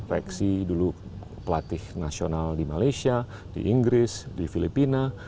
reksi dulu pelatih nasional di malaysia di inggris di filipina